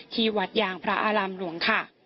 ที่วัดยางพระอารามหลวงค่ะ